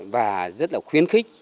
và rất là khuyến khích